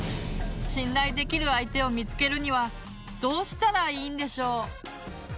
信頼できる相手を見つけるにはどうしたらいいんでしょう？